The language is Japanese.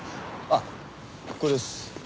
あっこれです。